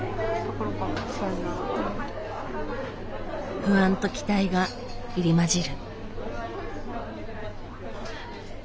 不安と期待が入り交じる。